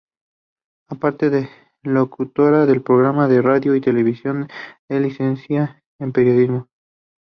Aparte de locutora de programas de radio y televisión es Licenciada en Periodismo.